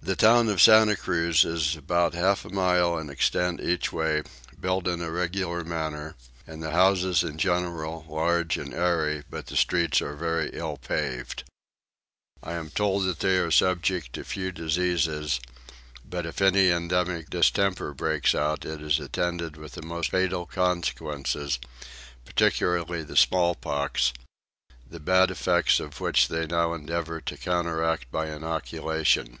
The town of Santa Cruz is about half a mile in extent each way, built in a regular manner, and the houses in general large and airy, but the streets are very ill paved. I am told that they are subject to few diseases; but if any epidemic distemper breaks out it is attended with the most fatal consequences, particularly the smallpox, the bad effects of which they now endeavour to counteract by inoculation.